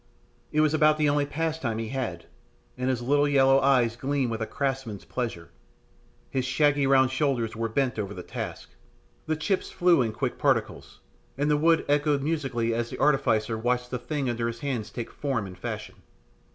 It was about the only pastime he had, and his little yellow eyes gleamed with a craftsman's pleasure, his shaggy round shoulders were bent over the task, the chips flew in quick particles, and the wood echoed musically as the artificer watched the thing under his hands take form and fashion.